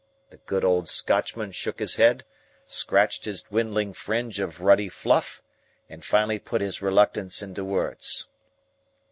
The good old Scotchman shook his head, scratched his dwindling fringe of ruddy fluff, and finally put his reluctance into words.